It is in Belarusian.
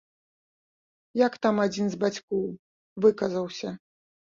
Як там адзін з бацькоў выказаўся?